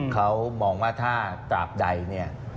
เขามองว่าถ้าตราบใดเนี่ย